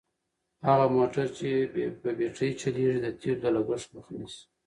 هغه موټر چې په بېټرۍ چلیږي د تېلو د لګښت مخه نیسي.